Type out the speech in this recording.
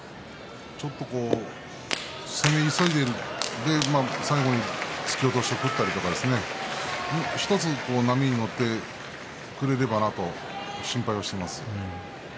ちょっと攻め急いでいるような最後に突き落としを食ったり波に乗ってくれればなと心配はしています。